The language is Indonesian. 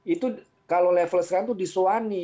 itu kalau level sekarang itu disuani